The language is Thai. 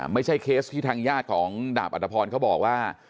ไม่ใช่เคสที่ทางญาติของดาบอธพรณ์เขาบอกว่า